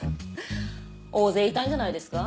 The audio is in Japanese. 大勢いたんじゃないですか？